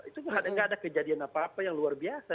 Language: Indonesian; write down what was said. itu nggak ada kejadian apa apa yang luar biasa